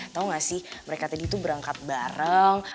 tau gak sih mereka tadi tuh berangkat bareng